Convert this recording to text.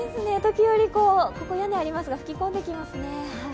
時折、ここ屋根がありますが吹き込んできますね。